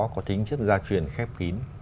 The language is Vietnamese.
có tính chất gia truyền khép kín